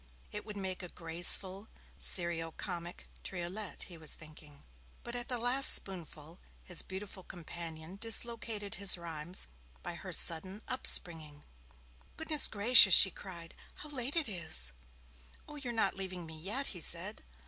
It would make a graceful, serio comic triolet, he was thinking. But at the last spoonful, his beautiful companion dislocated his rhymes by her sudden upspringing. 'Goodness gracious,' she cried, 'how late it is!' 'Oh, you're not leaving me yet!' he said.